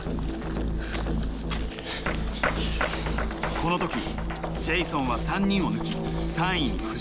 この時ジェイソンは３人を抜き３位に浮上。